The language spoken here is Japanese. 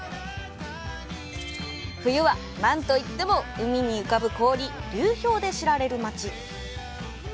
冬は何といっても海に浮かぶ氷流氷で知られる町。